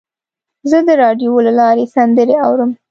زه د راډیو له لارې سندرې اورم.